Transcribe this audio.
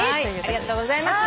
ありがとうございます。